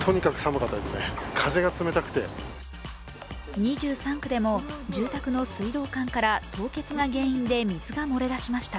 ２３区でも、住宅の水道管から凍結が原因で水が漏れ出しました。